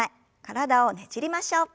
体をねじりましょう。